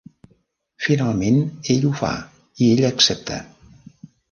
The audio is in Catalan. Finalment ell ho fa i ella accepta.